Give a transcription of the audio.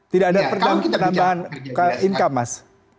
tidak ada penambahan income mas